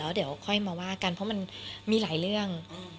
เดี๋ยวค่อยมาว่ากันเพราะมันมีหลายเรื่อง